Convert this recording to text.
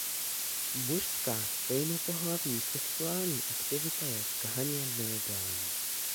Mužská stejnopohlavní sexuální aktivita je v Ghaně nelegální.